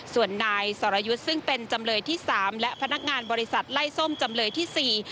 ส่วนนายสรยุทธ์ซึ่งเป็นจำเลยที่สามและพนักงานบริษัทไล่ส้มจำเลยที่สี่